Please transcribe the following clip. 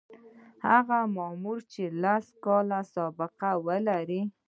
هغه مامور چې لس کاله سابقه ولري.